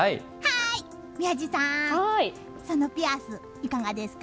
宮司さん、そのピアスいかがですか？